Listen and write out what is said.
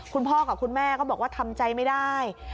คุณพ่อกับคุณแม่ก็บอกว่าทำใจไม่ได้